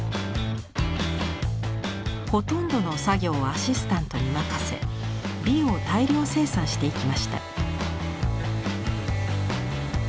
ほとんどの作業をアシスタントに任せ「美」を大量生産していきました。